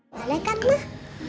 boleh kan mak